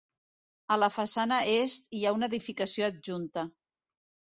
A la façana est hi ha una edificació adjunta.